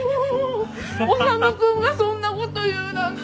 修君がそんなこと言うなんて。